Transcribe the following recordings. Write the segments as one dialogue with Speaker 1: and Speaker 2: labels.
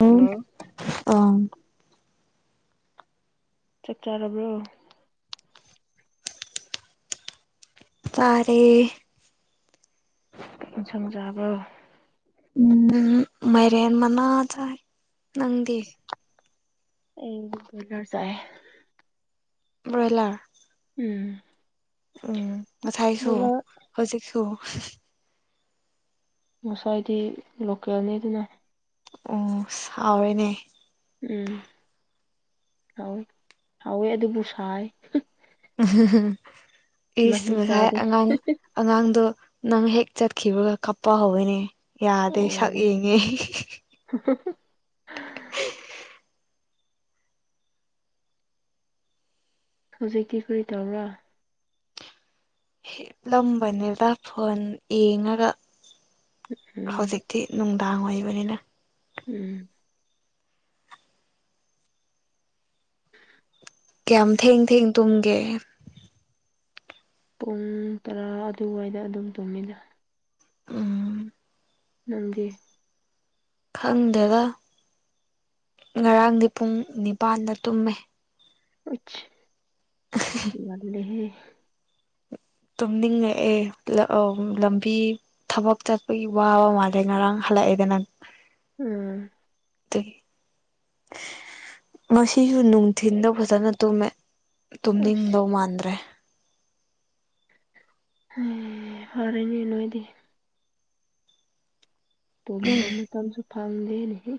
Speaker 1: ꯑꯣ
Speaker 2: ꯍꯜꯂꯣ
Speaker 1: ꯑꯥ
Speaker 2: ꯆꯥꯛ ꯆꯥꯔꯕ꯭ꯔꯣ
Speaker 1: ꯆꯥꯔꯦ
Speaker 2: ꯀꯩ ꯏꯟꯖꯥꯡ ꯆꯥꯕ
Speaker 1: ꯎꯝ ꯃꯥꯏꯔꯦꯟ ꯃꯅꯥ ꯆꯥꯏ ꯅꯪꯗꯤ
Speaker 2: ꯑꯩꯗꯤ ꯕꯣꯢꯂꯔ ꯆꯥꯏꯌꯦ
Speaker 1: ꯕ꯭ꯔꯣꯏꯂꯔ
Speaker 2: ꯎꯝ
Speaker 1: ꯎꯝ ꯉꯁꯥꯏꯁꯨ
Speaker 2: ꯕꯣꯏꯂꯔ
Speaker 1: ꯍꯧꯖꯤꯛꯁꯨ
Speaker 2: ꯉꯁꯥꯏꯗꯤ ꯂꯣꯀꯦꯜꯅꯤꯗꯅ
Speaker 1: ꯎꯝ ꯍꯥꯎꯔꯦꯅꯦ
Speaker 2: ꯎꯝ ꯍꯥꯎꯋꯦ ꯍꯥꯎꯋꯦ ꯑꯗꯨꯕꯨ ꯁꯥꯏ
Speaker 1: [inaudible] ꯏꯁ
Speaker 2: ꯃꯍꯤ
Speaker 1: ꯉꯁꯥꯏ
Speaker 2: ꯆꯥꯗꯦ
Speaker 1: ꯑꯉꯥꯡ ꯑꯉꯥꯡꯗꯣ ꯅꯪ ꯍꯦꯛ ꯆꯠꯈꯤꯕꯒ ꯀꯞꯄ ꯍꯧꯋꯦꯅꯦ ꯌꯥꯗꯦ
Speaker 2: ꯑꯣ
Speaker 1: ꯁꯛ ꯌꯦꯡꯉꯦ
Speaker 2: ꯍꯧꯖꯤꯛꯇꯤ ꯀꯔꯤ ꯇꯧꯕ꯭ꯔ
Speaker 1: ꯍꯤꯞꯂꯝꯕꯅꯦꯗ ꯐꯣꯟ ꯑꯦꯡꯔꯒ
Speaker 2: ꯎꯝ
Speaker 1: ꯍꯧꯖꯤꯛꯇꯤ ꯅꯨꯡꯗꯥꯡ ꯑꯣꯏꯕꯅꯤꯅ
Speaker 2: ꯎꯝ
Speaker 1: ꯀ꯭ꯌꯥꯝ ꯊꯦꯡ ꯊꯦꯡ ꯇꯨꯝꯒꯦ
Speaker 2: ꯄꯨꯡ ꯇꯔꯥ ꯑꯗꯨꯋꯥꯏꯗ ꯑꯗꯨꯝ ꯇꯨꯝꯃꯦꯅ
Speaker 1: ꯎꯝ
Speaker 2: ꯅꯪꯗꯤ
Speaker 1: ꯈꯪꯗꯦꯗ ꯉꯔꯥꯡꯗꯤ ꯄꯨꯡ ꯅꯤꯄꯥꯟꯗ ꯇꯨꯝꯃꯦ
Speaker 2: ꯎꯨꯏꯁ ꯉꯜꯂꯦꯍꯦ
Speaker 1: ꯇꯨꯝꯅꯤꯡꯉꯛꯑꯦ ꯑꯧ ꯂꯝꯕꯤ ꯊꯕꯛ ꯆꯠꯄꯒꯤ ꯋꯥꯕ ꯃꯥꯜꯂꯦ ꯉꯔꯥꯡ ꯍꯜꯂꯛꯑꯦꯗꯅ
Speaker 2: ꯎꯝ
Speaker 1: ꯑꯗꯨꯒꯤ ꯉꯁꯤꯁꯨ ꯅꯨꯡꯊꯤꯟꯗ ꯐꯖꯅ ꯇꯨꯝꯃꯦ
Speaker 2: ꯑꯁ
Speaker 1: ꯇꯨꯝꯅꯤꯡꯗꯧ ꯃꯥꯟꯗ꯭ꯔꯦ
Speaker 2: ꯎ ꯐꯔꯦꯅꯦ ꯅꯣꯏꯗꯤ ꯇꯨꯝꯕ ꯃꯇꯝꯁꯨ ꯐꯪꯗꯦꯅꯦꯍꯦ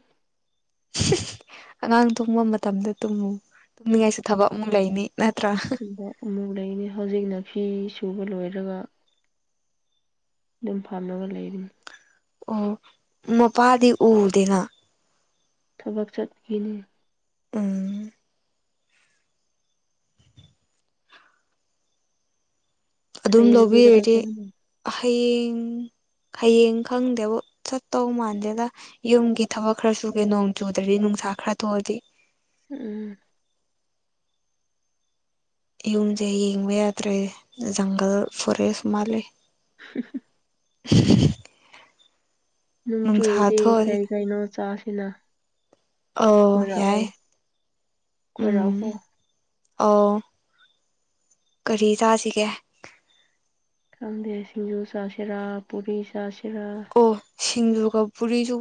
Speaker 1: [inaudible] ꯑꯉꯥꯡ ꯇꯨꯝꯕ ꯃꯇꯝꯗ ꯇꯨꯝꯃꯨ ꯇꯨꯝꯅꯤꯡꯉꯥꯏꯁꯨ ꯊꯕꯛ ꯑꯃꯨꯛ ꯂꯩꯅꯤ ꯅꯠꯇ꯭ꯔꯥ
Speaker 2: ꯊꯨꯝꯕ ꯑꯃꯨꯛ ꯂꯩꯅꯤ ꯍꯧꯖꯤꯛꯅ ꯐꯤ ꯁꯨꯕ ꯂꯣꯏꯔꯒ ꯑꯗꯨꯝ ꯐꯝꯂꯒ ꯂꯩꯔꯤꯅꯤ
Speaker 1: ꯑꯣ ꯃꯄꯥꯗꯤ ꯎꯗꯦꯅ
Speaker 2: ꯊꯕꯛ ꯆꯠꯈꯤꯅꯤ
Speaker 1: ꯎꯝ ꯑꯗꯨꯝ
Speaker 2: ꯍꯌꯦꯡꯗꯤ ꯀꯗꯥꯏ
Speaker 1: ꯂꯧꯕꯤꯔꯗꯤ
Speaker 2: ꯆꯠꯀꯅꯤ
Speaker 1: ꯍꯌꯦꯡ ꯍꯌꯦꯡ ꯈꯪꯗꯦꯕꯨ ꯆꯠꯇꯧ ꯃꯥꯟꯗꯦꯗ ꯌꯨꯝꯒꯤ ꯊꯕꯛ ꯈꯔ ꯁꯨꯒꯦ ꯅꯣꯡ ꯆꯨꯗ꯭ꯔꯗꯤ ꯅꯨꯡ ꯁꯥ ꯈꯔꯥ ꯇꯣꯛꯑꯗꯤ
Speaker 2: ꯎꯝ
Speaker 1: ꯌꯨꯝꯁꯦ ꯌꯦꯡꯕ ꯌꯥꯗ꯭ꯔꯦ ꯖꯪꯒꯜ ꯐꯣꯔꯦꯁ ꯃꯥꯂꯦ [inaudible]
Speaker 2: ꯅꯣꯡ ꯆꯨꯨꯔꯗꯤ ꯀꯩ ꯀꯩꯅꯣ ꯆꯥꯁꯤꯅ
Speaker 1: ꯑꯣ ꯌꯥꯏ
Speaker 2: ꯀꯣꯏꯔꯛꯑꯣ ꯀꯣꯏꯔꯛꯎꯀꯣ
Speaker 1: ꯎꯝ ꯑꯣ ꯀꯔꯤ ꯆꯥꯁꯤꯒꯦ
Speaker 2: ꯈꯪꯗꯦ ꯁꯤꯡꯖꯨ ꯁꯥꯁꯤꯔꯥ ꯄꯨꯔꯤ ꯆꯁꯤꯔꯥ
Speaker 1: ꯑꯣ ꯁꯤꯡꯖꯨꯒ ꯄꯨꯔꯤꯁꯨ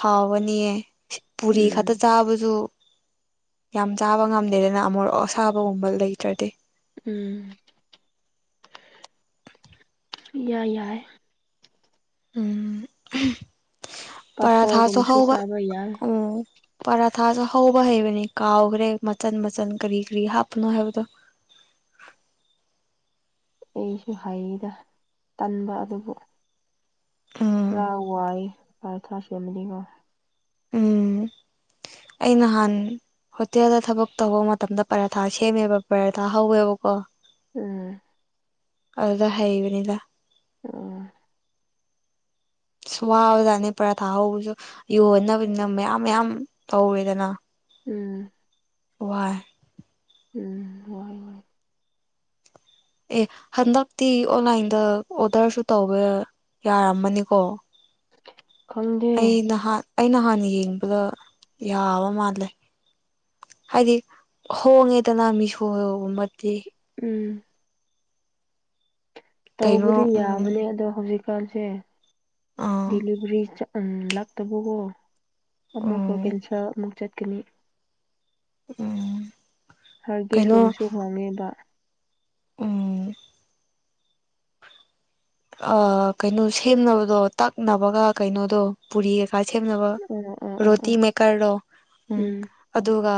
Speaker 1: ꯍꯥꯎꯒꯅꯤꯌꯦ ꯄꯨꯔꯤ
Speaker 2: ꯎꯝ
Speaker 1: ꯈꯛꯇ ꯆꯥꯕꯁꯨ ꯌꯥꯝ ꯆꯥꯕ ꯉꯝꯗꯦꯗꯅ ꯑꯝꯃꯣꯔꯣꯛ ꯑꯁꯥꯕꯒꯨꯝꯕ ꯂꯩꯇ꯭ꯔꯗꯤ
Speaker 2: ꯎꯝ ꯏꯌꯥ ꯌꯥꯏ
Speaker 1: ꯎꯝ ꯄꯔꯥꯊꯥꯁꯨ
Speaker 2: ꯄꯥꯐꯣꯔꯒꯨꯝꯕꯁꯨ
Speaker 1: ꯍꯥꯎꯕ
Speaker 2: ꯆꯥꯕ ꯌꯥꯏ
Speaker 1: ꯎꯝ ꯄꯔꯥꯊꯥꯁꯨ ꯍꯧꯕ ꯍꯩꯕꯅꯦ ꯀꯥꯎꯈ꯭ꯔꯦ ꯃꯆꯟ ꯃꯆꯟ ꯀꯔꯤ ꯀꯔꯤ ꯍꯥꯞꯄꯅꯣ ꯍꯥꯏꯕꯗꯣ
Speaker 2: [inaudible] ꯑꯩꯁꯨ ꯍꯩꯗ ꯇꯟꯕ ꯑꯗꯨꯕꯨ
Speaker 1: ꯎꯝ
Speaker 2: ꯈꯔ ꯋꯥꯏꯌꯦ ꯄꯔꯊꯥꯁꯦꯝꯕꯗꯤ ꯈꯔ
Speaker 1: ꯎꯝ ꯑꯩ ꯅꯍꯥꯟ ꯍꯣꯇꯦꯜꯗ ꯊꯕꯛ ꯇꯧꯕ ꯃꯇꯝꯗ ꯄꯔꯥꯊꯥ ꯁꯦꯝꯃꯦꯕ ꯄꯔꯥꯊꯥ ꯍꯧꯋꯦꯕꯀꯣ
Speaker 2: ꯎꯝ
Speaker 1: ꯑꯗꯨꯗ ꯍꯩꯕꯅꯤꯗ
Speaker 2: ꯑꯣ
Speaker 1: ꯋꯥꯕꯖꯥꯠꯅꯦ ꯄꯔꯥꯊꯥ ꯍꯧꯕꯁꯨ ꯌꯣꯟꯅꯕꯅꯤꯅ ꯃꯌꯥꯝ ꯃꯌꯥꯝ ꯇꯧꯋꯦꯗꯅ
Speaker 2: ꯎꯝ
Speaker 1: ꯋꯥꯏ
Speaker 2: ꯎꯝ ꯋꯥꯏ ꯋꯥꯏ
Speaker 1: ꯑꯦ ꯍꯟꯗꯛꯇꯤ ꯑꯣꯟꯂꯥꯏꯟꯗ ꯑꯣꯗꯔꯁꯨ ꯇꯧꯋꯦ ꯌꯥꯔꯝꯃꯅꯤꯀꯣ
Speaker 2: ꯈꯪꯗꯦ
Speaker 1: ꯑꯩ ꯅꯍꯥꯟ ꯑꯩ ꯅꯍꯥꯟ ꯌꯦꯡꯕꯗ ꯌꯥꯕ ꯃꯥꯜꯂꯦ ꯍꯥꯏꯗꯤ ꯍꯣꯡꯉꯤꯗꯅ ꯃꯤꯁꯣꯒꯨꯝꯕꯗꯤ
Speaker 2: ꯎꯝ
Speaker 1: ꯀꯩꯅꯣ
Speaker 2: ꯇꯧꯕꯗꯤ
Speaker 1: ꯎꯝ
Speaker 2: ꯌꯥꯕꯅꯦ ꯑꯗꯣ ꯍꯧꯖꯤꯛꯀꯥꯟꯁꯦ
Speaker 1: ꯑꯥ
Speaker 2: ꯗꯤꯂꯤꯕ꯭ꯔꯤ ꯆꯠ ꯎ ꯂꯛꯇꯕꯀꯣ ꯑꯃꯨꯛꯀ
Speaker 1: ꯎꯝ
Speaker 2: ꯀꯦꯟꯁꯦꯜ ꯑꯃꯨꯛ ꯆꯠꯀꯅꯤ
Speaker 1: ꯎꯝ
Speaker 2: ꯍꯥꯔꯒꯤꯁꯒꯨꯝꯁꯨ ꯍꯣꯡꯉꯦꯕ
Speaker 1: ꯑꯣ ꯑ ꯀꯩꯅꯣ ꯁꯦꯝꯅꯕꯗꯣ ꯇꯛꯅꯕꯒ ꯀꯩꯅꯣꯗꯣ ꯄꯨꯔꯤ ꯁꯦꯝꯅꯕ
Speaker 2: ꯑꯣ ꯑꯣ ꯑꯣ
Speaker 1: ꯔꯣꯇꯤ
Speaker 2: ꯑꯣ
Speaker 1: ꯃꯦꯀꯔꯗꯣ ꯎꯝ ꯑꯗꯨꯒ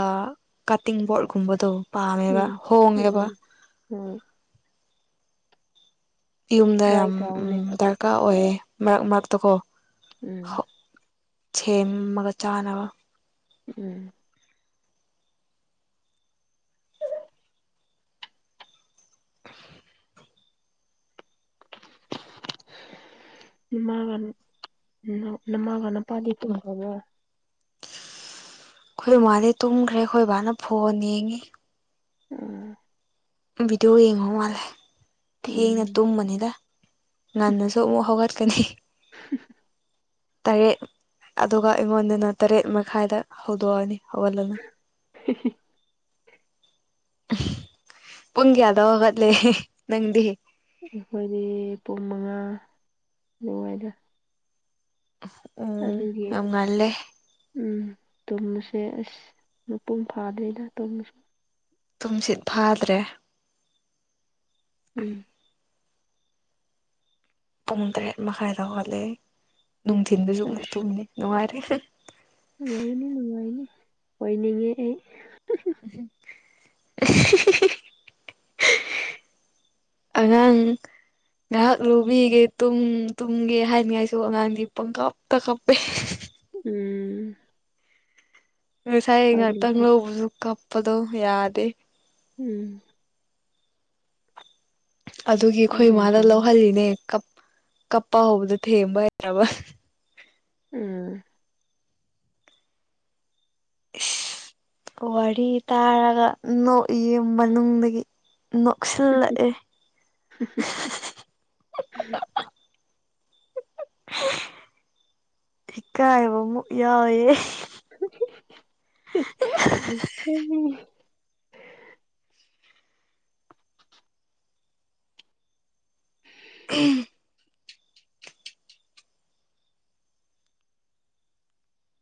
Speaker 1: ꯀꯠꯇꯤꯡ ꯕꯣꯔꯠꯀꯨꯝꯕꯗꯣ ꯄꯥꯝꯃꯦꯕ
Speaker 2: ꯎꯝ
Speaker 1: ꯍꯣꯡꯉꯦꯕ
Speaker 2: ꯎꯝ ꯍꯣꯏ
Speaker 1: ꯌꯨꯝꯗ
Speaker 2: ꯇ꯭ꯔꯥꯏ
Speaker 1: ꯌꯥꯝ
Speaker 2: ꯇꯧꯅꯦ
Speaker 1: ꯗꯔꯀꯥꯔ ꯑꯣꯏꯌꯦ ꯃꯔꯛ ꯃꯔꯛꯇꯀꯣ
Speaker 2: ꯎꯝ
Speaker 1: ꯁꯦꯝꯃꯒ ꯆꯥꯅꯕ
Speaker 2: ꯎꯝ [inaudible] ꯃꯥꯒ ꯎ ꯅꯃꯒꯅꯄꯥꯥꯗꯤ ꯄꯨꯔꯝꯃꯕꯣ
Speaker 1: ꯑꯩꯈꯣꯏ ꯏꯃꯥꯗꯤ ꯇꯨꯝꯈ꯭ꯔꯦ ꯑꯩꯈꯣꯏ ꯕꯥꯅ ꯐꯣꯟ ꯌꯦꯡꯉꯤ
Speaker 2: ꯎꯝ
Speaker 1: ꯕꯤꯗꯤꯑꯣ ꯌꯦꯡꯕ ꯃꯥꯜꯂꯦ
Speaker 2: ꯎꯝ
Speaker 1: ꯊꯦꯡꯅ ꯇꯨꯝꯕꯅꯤꯗ ꯉꯟꯅꯁꯨ ꯑꯃꯨꯛ ꯍꯧꯒꯠꯀꯅꯤ
Speaker 2: [inaudible]
Speaker 1: ꯇꯔꯦꯠ ꯑꯗꯨꯒ ꯑꯩꯉꯣꯟꯗꯅ ꯇꯔꯦꯠ ꯃꯈꯥꯏꯗ ꯍꯧꯗꯣꯛꯑꯅꯤ ꯍꯧꯒꯠꯂꯅꯦ ꯄꯨꯡ ꯀꯥꯌꯥꯗ ꯍꯒꯠꯂꯦ [inaudible] ꯅꯪꯗꯤ
Speaker 2: ꯑꯩꯈꯣꯏꯗꯤ ꯄꯨꯡ ꯃꯉꯥ ꯅꯨꯡꯉꯥꯏꯗ
Speaker 1: ꯎꯝ
Speaker 2: ꯑꯗꯨꯒꯤ
Speaker 1: ꯌꯥꯝ ꯉꯜꯂꯦ
Speaker 2: ꯎꯝ ꯇꯨꯝꯕꯁꯦ ꯑꯁ ꯃꯄꯨꯡ ꯐꯥꯗꯦꯅ ꯇꯨꯝꯃꯁꯨ
Speaker 1: ꯇꯨꯝꯁꯤꯠ ꯐꯥꯗ꯭ꯔꯦ
Speaker 2: ꯎꯝ
Speaker 1: ꯄꯨꯡ ꯇꯔꯦꯠ ꯃꯈꯥꯏꯗ ꯍꯧꯒꯜꯂꯦ ꯅꯨꯡꯊꯤꯟꯗꯨꯁꯨ ꯑꯃꯨꯛ
Speaker 2: ꯑꯁ
Speaker 1: ꯊꯨꯝꯅꯤ ꯅꯨꯡꯉꯥꯏꯔꯦ
Speaker 2: ꯅꯨꯡꯉꯥꯏꯅꯤ ꯅꯨꯡꯉꯥꯏꯅꯤ ꯑꯣꯏꯅꯤꯡꯉꯦ ꯑꯩ
Speaker 1: [unintelligible]
Speaker 2: [inaudible]
Speaker 1: ꯑꯉꯥꯡ ꯉꯥꯏꯍꯥꯛ ꯂꯧꯕꯤꯒꯦ ꯇꯨꯝ ꯇꯨꯝꯒꯦ ꯍꯥꯏꯅꯤꯡꯉꯥꯏꯁꯨ ꯑꯉꯥꯡꯗꯤ ꯄꯪꯀꯞꯇ ꯀꯞꯄꯦ
Speaker 2: ꯎꯝ
Speaker 1: ꯉꯁꯥꯏ
Speaker 2: ꯎꯄꯥꯏ
Speaker 1: ꯉꯥꯛꯇꯪ
Speaker 2: ꯂꯩꯇꯦ
Speaker 1: ꯂꯧꯕꯁꯨ ꯀꯞꯄꯗꯣ ꯌꯥꯗꯦ
Speaker 2: ꯎꯝ
Speaker 1: ꯑꯗꯨꯒꯤ
Speaker 2: ꯎꯄꯥꯏ
Speaker 1: ꯑꯩꯈꯣꯏ ꯏꯃꯥꯗ
Speaker 2: ꯂꯩꯇꯕꯅꯤ
Speaker 1: ꯂꯧꯍꯜꯂꯤꯅꯦ ꯀꯞ ꯀꯞꯄꯥ ꯍꯧꯕꯗ ꯊꯦꯝꯕ ꯍꯩꯇ꯭ꯔꯕ
Speaker 2: ꯑꯝ
Speaker 1: ꯋꯥꯔꯤ ꯇꯥꯔꯒ ꯅꯣꯛꯏꯌꯦ ꯌꯨꯝ ꯃꯅꯨꯡꯗꯒꯤ ꯅꯣꯛꯁꯤꯜꯂꯛꯑꯦ ꯏꯀꯥꯏꯕ ꯑꯃꯨꯛ ꯌꯥꯎꯌꯦ
Speaker 2: ꯑꯩꯗꯤ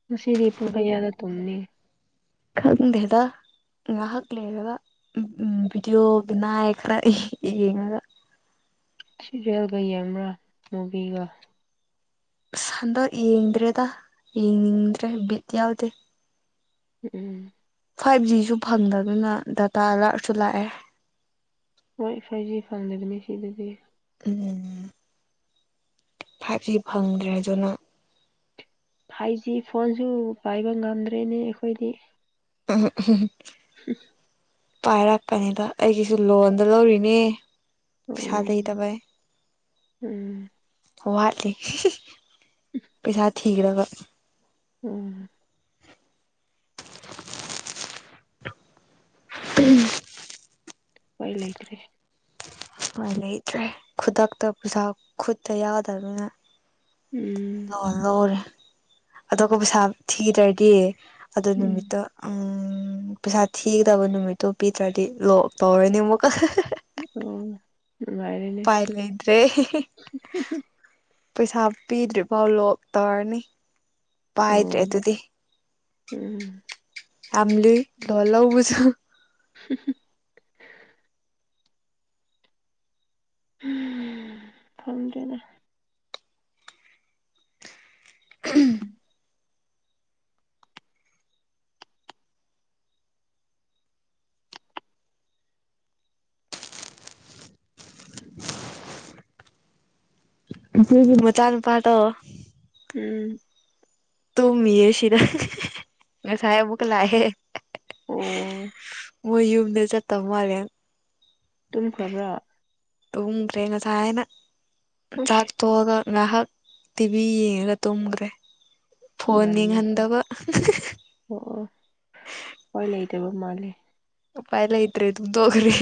Speaker 2: ꯉꯁꯤꯗꯤ ꯄꯨꯡ ꯀꯌꯥꯗ ꯇꯨꯝꯅꯤ
Speaker 1: ꯈꯪꯗꯦꯗ ꯉꯥꯏꯍꯥꯛ ꯂꯩꯔꯒ ꯎ ꯚꯤꯗꯤꯑꯣꯒꯤ ꯅꯥꯏꯑ ꯈꯔ ꯌꯦꯡꯉꯒ
Speaker 2: ꯁꯤꯔꯦꯜꯒ ꯌꯦꯡꯕ꯭ꯔꯥ ꯃꯨꯚꯤꯒ
Speaker 1: ꯍꯟꯗꯛ ꯌꯦꯡꯗ꯭ꯔꯦꯗ ꯌꯦꯡꯅꯤꯡꯗ꯭ꯔꯦ ꯕꯤꯠ ꯌꯥꯎꯗꯦ
Speaker 2: ꯑꯝ
Speaker 1: ꯐꯥꯏꯚ ꯖꯤꯁꯨ ꯐꯪꯗꯕꯅ ꯗꯇꯥ ꯂꯥꯛꯁꯨ ꯂꯥꯛꯑꯦ
Speaker 2: ꯋꯥꯏ ꯐꯥꯏꯚ ꯖꯤ ꯐꯪꯗꯕꯅꯤ ꯁꯤꯗꯗꯤ
Speaker 1: ꯎꯝ ꯐꯥꯏꯚꯁꯤ ꯐꯪꯗ꯭ꯔꯦ ꯑꯗꯨꯅ
Speaker 2: ꯐꯥꯏꯚ ꯖꯤ ꯐꯣꯟꯁꯨ ꯄꯥꯏꯕ ꯉꯝꯗ꯭ꯔꯦꯅꯦ ꯑꯩꯈꯣꯏꯗꯤ
Speaker 1: ꯑꯝ
Speaker 2: [unintelligible]
Speaker 1: ꯄꯥꯏꯔꯛꯀꯅꯤꯗ ꯑꯩꯒꯤꯁꯨ ꯂꯣꯟꯗ ꯂꯧꯔꯤꯅꯦ
Speaker 2: ꯑꯣ
Speaker 1: ꯄꯩꯁꯥ ꯂꯩꯇꯕꯩ
Speaker 2: ꯎꯝ
Speaker 1: ꯋꯥꯠꯂꯤ ꯄꯩꯁꯥ ꯊꯤꯈ꯭ꯔꯕ
Speaker 2: ꯎꯝ
Speaker 1: ꯎꯝ
Speaker 2: ꯍꯣꯏ ꯂꯩꯇ꯭ꯔꯦ
Speaker 1: ꯂꯩꯇ꯭ꯔꯦ ꯈꯨꯗꯛꯇ ꯄꯩꯁꯥ ꯈꯨꯠꯇ ꯌꯥꯎꯗꯕꯅꯤꯅ
Speaker 2: ꯎꯝ
Speaker 1: ꯂꯣꯏ ꯂꯣꯏꯔꯦ ꯑꯗꯨꯒ ꯄꯩꯁꯥ ꯊꯤꯗ꯭ꯔꯗꯤ ꯑꯗꯨ
Speaker 2: ꯎꯝ
Speaker 1: ꯅꯨꯃꯤꯠꯇ ꯑꯝ ꯎꯝ ꯄꯩꯁꯥ ꯊꯤꯒꯗꯕ ꯅꯨꯃꯤꯠꯇꯣ ꯄꯤꯗ꯭ꯔꯗꯤ ꯂꯣꯛ ꯇꯧꯔꯅꯦ ꯑꯃꯨꯛꯀ
Speaker 2: ꯑꯣ ꯅꯨꯡꯉꯥꯏꯔꯦꯅꯦ
Speaker 1: ꯎꯄꯥꯏꯂꯩꯇꯔꯦ ꯄꯩꯁꯥ ꯄꯤꯗ꯭ꯔꯤꯐꯥꯎ ꯂꯣꯛ ꯇꯧꯔꯅꯤ ꯄꯥꯏꯗ꯭ꯔꯦ
Speaker 2: ꯑꯣ
Speaker 1: ꯑꯗꯨꯗꯤ
Speaker 2: ꯎꯝ
Speaker 1: ꯊꯝꯂꯤ ꯂꯣꯟ ꯂꯧꯕꯁꯨ
Speaker 2: [unintelligible] ꯎꯝ ꯈꯪꯗꯦꯅꯦ
Speaker 1: ꯃꯆꯦꯒꯤ ꯃꯆꯥ ꯅꯨꯨꯄꯥꯗꯣ
Speaker 2: ꯎꯝ
Speaker 1: ꯇꯨꯝꯃꯤꯌꯦ ꯁꯤꯗ ꯉꯁꯥꯏ ꯑꯃꯨꯛꯀ ꯂꯥꯛꯑꯦ
Speaker 2: ꯑꯣ
Speaker 1: ꯃꯣꯏꯌꯨꯝ ꯆꯠꯇꯧ ꯃꯥꯜꯂꯦ
Speaker 2: ꯇꯨꯝꯈ꯭ꯔꯕ꯭ꯔꯣ
Speaker 1: ꯇꯨꯝꯈ꯭ꯔꯦ ꯉꯁꯥꯏꯅ
Speaker 2: ꯎꯁ
Speaker 1: ꯆꯥꯛ ꯇꯣꯛꯑꯒ ꯉꯥꯏꯍꯥꯛ ꯇꯤꯚꯤ ꯌꯦꯡꯉꯒ ꯇꯨꯝꯈ꯭ꯔꯦ ꯐꯣꯟ
Speaker 2: ꯉꯜꯂꯤꯍꯦ
Speaker 1: ꯌꯦꯡꯍꯟꯗꯕ
Speaker 2: ꯍꯣꯏ ꯂꯩꯇꯕ ꯃꯥꯜꯂꯦ
Speaker 1: ꯎꯄꯥꯏ ꯂꯩꯇꯔꯦ ꯑꯗꯨꯝ ꯇꯣꯛꯈꯔꯦ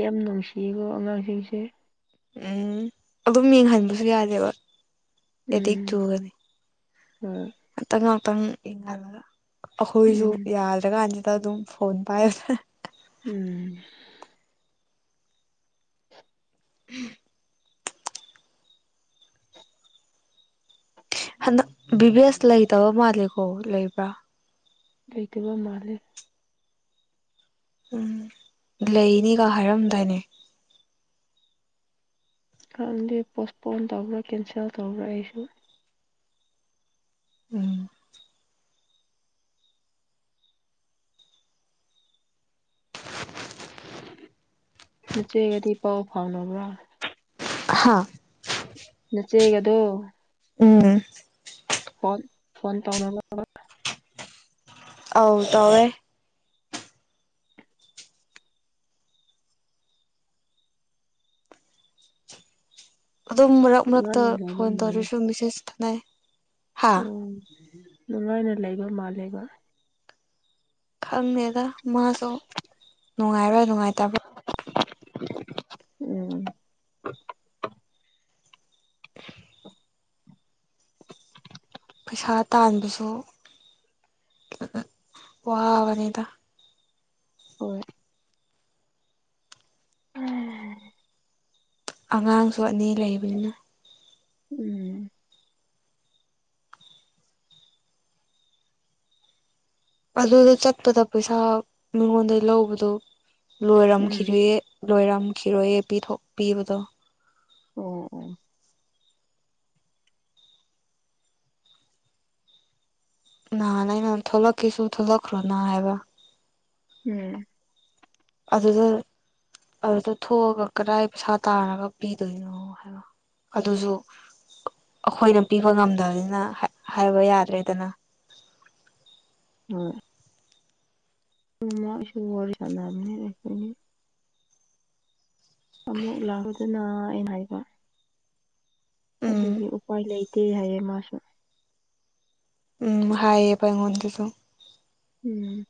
Speaker 2: ꯌꯥꯝ ꯅꯨꯡꯁꯤꯌꯦꯀꯣ ꯑꯉꯥꯡꯁꯤꯡꯁꯦ
Speaker 1: ꯎꯝ ꯑꯗꯨꯝ ꯌꯦꯡꯍꯟꯕꯁꯨ ꯌꯥꯗꯦꯕ ꯑꯦꯗꯤꯛ ꯆꯨꯒꯅꯤ
Speaker 2: ꯎꯝ
Speaker 1: ꯈꯤꯇꯪ ꯏꯡꯍꯜꯂꯒ ꯑꯩꯈꯣꯏꯁꯨ
Speaker 2: ꯎꯝ
Speaker 1: ꯌꯥꯗ꯭ꯔꯀꯥꯟꯁꯤꯗ ꯑꯗꯨꯝ ꯐꯣꯟ ꯄꯥꯏꯔꯅ
Speaker 2: ꯎꯝ [inaudible]
Speaker 1: ꯍꯟꯗꯛ ꯕꯤꯚꯦꯁ ꯂꯩꯇꯕ ꯃꯥꯜꯂꯦꯀꯣ ꯂꯩꯕ꯭ꯔꯥ
Speaker 2: ꯂꯩꯇꯕ ꯃꯥꯜꯂꯦ
Speaker 1: ꯎꯝ ꯂꯩꯅꯤꯒ ꯍꯥꯏꯔꯝꯗꯥꯏꯅꯦ
Speaker 2: ꯈꯪꯗꯦ ꯄꯣꯁꯄꯣꯟ ꯇꯧꯕ꯭ꯔꯥ ꯀꯦꯟꯁꯦꯜ ꯇꯧꯕ꯭ꯔꯥ ꯑꯩꯁꯨ
Speaker 1: ꯎꯝ
Speaker 2: ꯅꯆꯦꯒꯗꯤ ꯄꯥꯎ ꯐꯥꯎꯅꯕ꯭ꯔꯥ
Speaker 1: ꯍꯥꯥ
Speaker 2: ꯅꯆꯦꯒꯗꯣ
Speaker 1: ꯎꯝ
Speaker 2: ꯐꯣꯟ ꯐꯣꯟ ꯇꯧꯔꯅꯨꯕ
Speaker 1: ꯑꯧ ꯇꯧꯌꯦ ꯑꯗꯨꯝ ꯃꯔꯛ ꯃꯔꯛꯇ
Speaker 2: ꯅꯨꯡꯉꯥꯏꯅ ꯂꯩꯕ
Speaker 1: ꯐꯣꯟ
Speaker 2: ꯃꯥꯜꯂꯦ
Speaker 1: ꯇꯧꯔꯁꯨ ꯃꯦꯁꯦꯖ ꯊꯥꯅꯩ ꯍꯥ
Speaker 2: ꯎꯝ ꯅꯨꯡꯉꯥꯏꯅ ꯂꯩꯕ ꯃꯥꯜꯂꯦꯕ
Speaker 1: ꯈꯪꯗꯦꯗ ꯃꯥꯁꯨ ꯅꯨꯡꯉꯥꯏꯕ꯭ꯔꯥ ꯅꯨꯡꯉꯥꯏꯇꯕ꯭ꯔꯥ
Speaker 2: ꯎꯝ
Speaker 1: ꯄꯩꯁꯥ ꯇꯥꯟꯕꯁꯨ ꯋꯥꯕꯅꯤꯗ
Speaker 2: ꯍꯣꯏ ꯎꯝ
Speaker 1: ꯑꯉꯥꯡꯁꯨ ꯑꯅꯤ ꯂꯩꯕꯅꯤꯅ
Speaker 2: ꯎꯝ
Speaker 1: ꯑꯗꯨꯗ ꯆꯠꯄꯗ ꯄꯩꯁꯥ ꯃꯤꯉꯣꯟꯗꯒꯤ ꯂꯧꯕꯗꯣ
Speaker 2: ꯎꯝ
Speaker 1: ꯂꯣꯏꯔꯝꯈꯤꯔꯦ ꯂꯣꯏꯔꯝꯈꯤꯔꯣꯏꯑ ꯄꯤꯊꯄꯤꯕꯗꯣ
Speaker 2: ꯑꯣ ꯑꯣ
Speaker 1: ꯅꯍꯥꯟ ꯑꯩꯅ ꯊꯣꯛꯂꯛꯀꯦꯁꯨ ꯊꯣꯛꯂꯛꯈ꯭ꯔꯣꯅ ꯍꯥꯏꯕ
Speaker 2: ꯎꯝ
Speaker 1: ꯑꯗꯨꯗ ꯑꯗꯨꯗ ꯊꯣꯛꯑꯒ ꯀꯗꯥꯏ ꯄꯩꯁꯥ ꯇꯥꯔꯒ ꯄꯤꯗꯣꯏꯅꯣ ꯍꯥꯏꯕ ꯑꯗꯨꯁꯨ ꯑꯩꯈꯣꯏꯅ ꯄꯤꯕ ꯉꯝꯗꯕꯅꯤꯅ ꯍꯥꯏꯕ ꯌꯥꯗ꯭ꯔꯦꯗꯅ
Speaker 2: ꯍꯣꯏ ꯗꯨꯅ ꯑꯩꯁꯨ ꯋꯥꯔꯤ ꯁꯥꯟꯅꯕꯅꯤꯅ ꯑꯃꯨꯛ ꯂꯥꯛꯄꯗꯨꯅ ꯑꯩꯅ ꯍꯥꯏꯕ
Speaker 1: ꯎꯝ
Speaker 2: ꯑꯗꯨꯒꯤ ꯎꯄꯥꯏ ꯂꯩ ꯀ ꯍꯥꯏꯌꯦ ꯃꯥꯁꯨ
Speaker 1: ꯎꯝ ꯍꯥꯏꯌꯦꯕ ꯑꯩꯉꯣꯟꯗꯁꯨ
Speaker 2: ꯎꯝ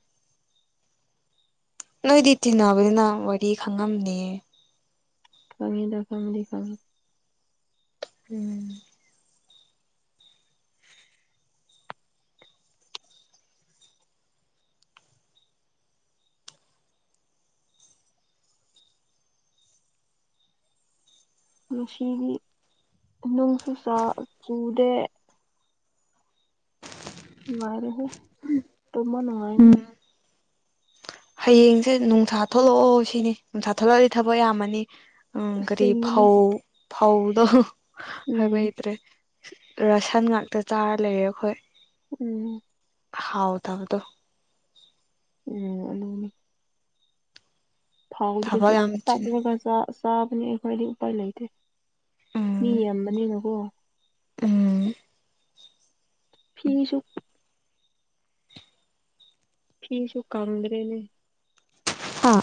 Speaker 1: ꯅꯣꯏꯗꯤ ꯇꯤꯟꯅꯕꯅꯤꯅ ꯋꯥꯔꯤ ꯈꯪꯉꯝꯅꯤꯌꯦ
Speaker 2: ꯈꯪꯉꯤꯗ ꯈꯪꯗꯤ ꯈꯪꯉꯤ
Speaker 1: ꯎꯝ
Speaker 2: ꯉꯥꯁꯤꯗꯤ ꯅꯨꯡꯁꯨ ꯁꯥ ꯆꯨꯗꯦ ꯅꯨꯡꯉꯥꯏꯔꯦꯍꯦ ꯇꯨꯝꯕ ꯅꯨꯡꯉꯥꯏꯅꯤ
Speaker 1: ꯍꯌꯦꯡꯁꯦ ꯅꯨꯡꯁꯥ ꯊꯣꯛꯂꯛꯑꯣ ꯁꯤꯅꯤ ꯅꯨꯡꯁꯥ ꯊꯣꯛꯂꯛꯑꯗꯤ ꯊꯕꯛ ꯌꯥꯝꯃꯅꯤ ꯎꯝ ꯀꯔꯤ
Speaker 2: ꯑꯁꯦꯡꯕꯅꯤ
Speaker 1: ꯐꯥꯎ ꯐꯥꯎꯗ ꯍꯥꯏꯕ
Speaker 2: ꯎꯝ
Speaker 1: ꯍꯩꯇꯔꯦ ꯔꯁꯟ ꯉꯥꯛꯇ ꯆꯥꯔ ꯂꯩꯔꯦ ꯑꯩꯈꯣꯏ
Speaker 2: ꯎꯝ
Speaker 1: ꯍꯥꯎꯇꯕꯗꯣ
Speaker 2: ꯎꯝ ꯑꯗꯨꯅꯤ ꯊꯥꯎꯗ꯭ꯔꯁꯨ
Speaker 1: ꯊꯕꯛ ꯌꯥꯝ ꯆꯤꯟ
Speaker 2: ꯇꯛꯂꯒ ꯆꯥ ꯆꯥꯕꯅꯤ ꯑꯩꯈꯣꯏꯗꯤ ꯎꯄꯥꯏ ꯂꯩꯇꯦ ꯃꯤ
Speaker 1: ꯎꯝ
Speaker 2: ꯌꯥꯝꯕꯅꯤꯅꯀꯣ
Speaker 1: ꯎꯝ
Speaker 2: ꯐꯤꯁꯨ ꯐꯤꯁꯨ ꯀꯪꯗ꯭ꯔꯦꯅꯦ
Speaker 1: ꯍꯥ